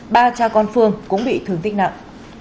ba cha con phương cũng bị thương tích nặng